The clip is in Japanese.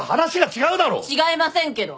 違いませんけど。